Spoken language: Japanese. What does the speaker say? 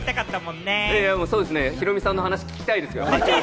ヒロミさんの話、聞きたいですよ。